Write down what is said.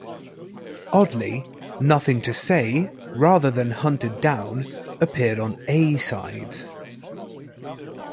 Oddly, "Nothing to Say", rather than "Hunted Down", appeared on "A-Sides".